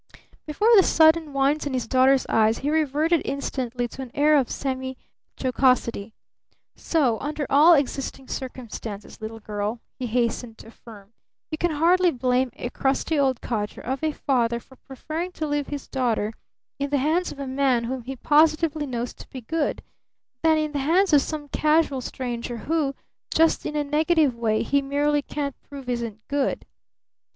Before the sudden wince in his daughter's eyes he reverted instantly to an air of semi jocosity. "So, under all existing circumstances, little girl," he hastened to affirm, "you can hardly blame a crusty old codger of a father for preferring to leave his daughter in the hands of a man whom he positively knows to be good, than in the hands of some casual stranger who, just in a negative way, he merely can't prove isn't good?